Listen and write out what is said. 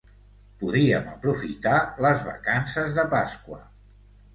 Podíem aprofitar les vacances de Pasqua.